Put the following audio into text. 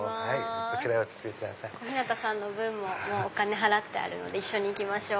小日向さんの分もお金払ってあるので一緒に行きましょう。